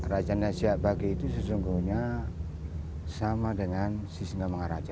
raja nasyabaghi itu sesungguhnya sama dengan si singamangaraja